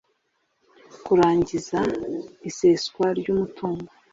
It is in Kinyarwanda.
kurangiza iseswa ry umutungo